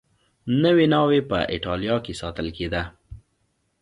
نوې ناوې په اېټالیا کې ساتل کېده